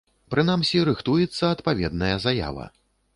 Прынамсі, рыхтуецца адпаведная заява.